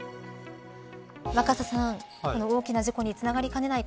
若狭さん、大きな事故につながりかねない